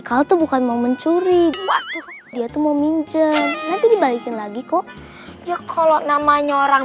kalau tuh bukan mau mencuri waduh dia tuh mau minceng nanti dibalikin lagi kok ya kalau namanya orang